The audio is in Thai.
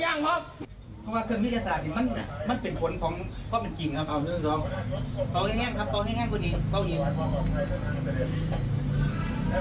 อุ้ยอุ้ยอุ้ยอุ้ยอุ้ยอุ้ยอุ้ยอุ้ยอุ้ยอุ้ยอุ้ยอุ้ย